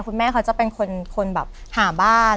คุณแม่ของเขาจะเป็นคนหาบ้าน